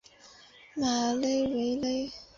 马勒维勒。